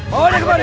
bawa dia kembali